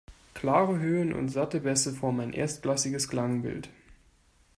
Klare Höhen und satte Bässe formen ein erstklassiges Klangbild.